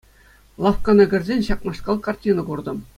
Лавккана кӗрсен ҫакнашкал картина куртӑм.